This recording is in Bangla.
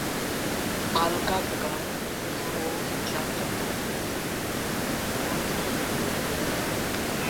আলকাপ গান ও যাত্রাপালার মধ্যে বেশ পার্থক্য আছে।